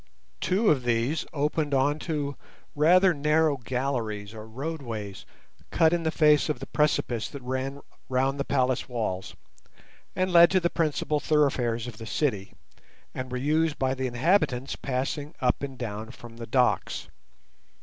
Two of these opened on to rather narrow galleries or roadways cut in the face of the precipice that ran round the palace walls and led to the principal thoroughfares of the city, and were used by the inhabitants passing up and down from the docks.